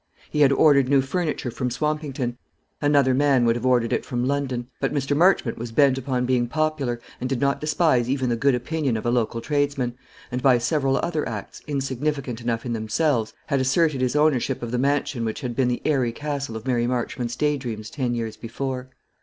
He had ordered new furniture from Swampington, another man would have ordered it from London; but Mr. Marchmont was bent upon being popular, and did not despise even the good opinion of a local tradesman, and by several other acts, insignificant enough in themselves, had asserted his ownership of the mansion which had been the airy castle of Mary Marchmont's day dreams ten years before.